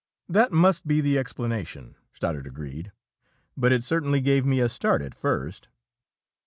"That must be the explanation," Stoddard agreed. "But it certainly gave me a start at first!"